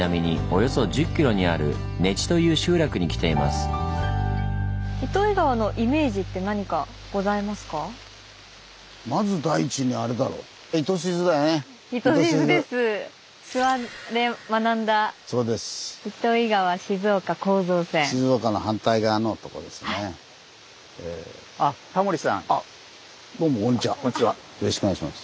よろしくお願いします。